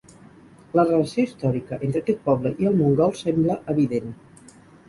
La relació històrica entre aquest poble i el mongol sembla evident.